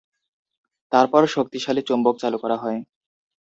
তারপর, শক্তিশালী চৌম্বক চালু করা হয়।